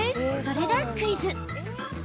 それがクイズ。